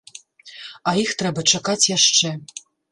А іх трэба чакаць яшчэ.